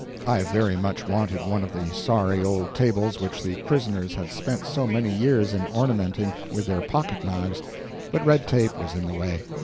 I very much wanted one of the sorry old tables which the prisoners had spent so many years in ornamenting with their pocket knives, but red tape was in the way.